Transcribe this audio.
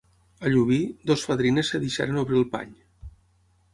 A Llubí, dues fadrines es deixaren obrir el pany.